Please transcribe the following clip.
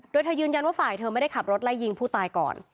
โดยเธอยืนยันว่าฝ่ายเธอไม่ได้ขับรถไล่ยิงผู้ตายก่อน